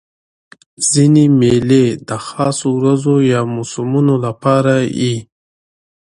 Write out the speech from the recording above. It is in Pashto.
ځیني مېلې د خاصو ورځو یا موسمونو له پاره يي.